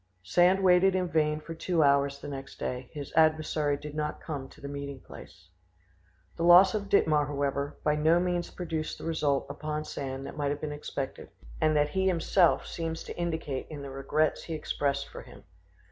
Sand waited in vain for two hours next day: his adversary did not come to the meeting place. The loss of Dittmar, however, by no means produced the result upon Sand that might have been expected, and that he himself seems to indicate in the regrets he expressed for him.